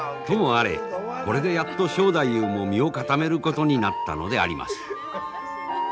ともあれこれでやっと正太夫も身を固めることになったのであります。